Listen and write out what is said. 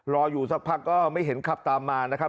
รออยู่สักพักก็ไม่เห็นขับตามมา